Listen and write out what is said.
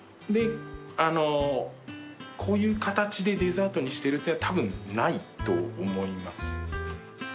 あのこういう形でデザートにしてるってのはたぶんないと思います。